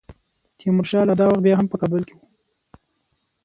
تیمورشاه لا دا وخت بیا هم په کابل کې وو.